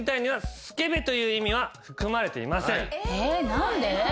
何で？